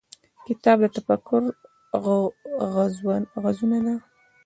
کتاب د تفکر غزونه ده.